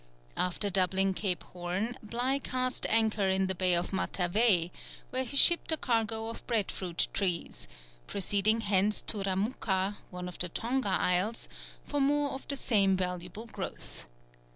After doubling Cape Horn, Bligh cast anchor in the Bay of Matavai, where he shipped a cargo of breadfruit trees, proceeding thence to Ramouka, one of the Tonga Isles, for more of the same valuable growth.